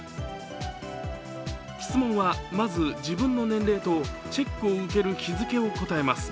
質問はまず自分の年齢とチェックを受ける日付を答えます。